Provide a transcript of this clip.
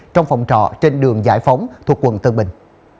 trong phòng trọ trên đường giải phóng thuộc quận tân bình